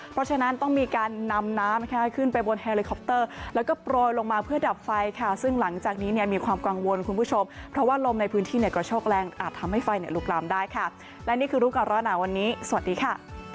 เพราะฉะนั้นต้องมีการนำน้ำนะคะขึ้นไปบนแฮลิคอปเตอร์แล้วก็โปรยลงมาเพื่อดับไฟค่ะซึ่งหลังจากนี้เนี่ยมีความกังวลคุณผู้ชมเพราะว่าลมในพื้นที่เนี่ยกระโชคแรงอาจทำให้ไฟเนี่ยลุกลามได้ค่ะและนี่คือรู้ก่อนร้อนหนาวันนี้สวัสดีค่ะ